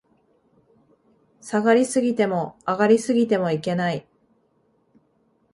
下がり過ぎても、上がり過ぎてもいけない